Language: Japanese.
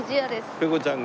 ペコちゃんが。